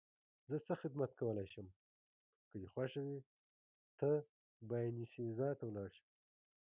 زه څه خدمت کولای شم؟ که دې خوښه وي ته باینسیزا ته ولاړ شه.